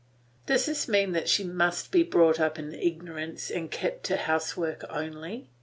Does this mean that she must be brought up in ignorance and kept to housework only?